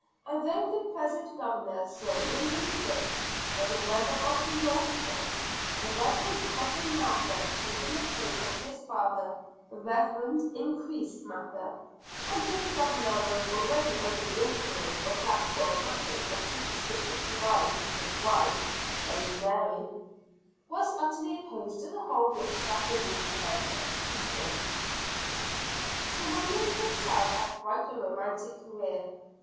And though the present Governor, Sir William Phips, was a member of the North Church, the Reverend Cotton Mather taking the place of his father, the Reverend Increase Mather and though the Governor was greatly under the influence of that dogmatic and superstitious divine his wife, Lady Mary, was utterly opposed to the whole witchcraft delusion and persecution. Sir William himself had quite a romantic career.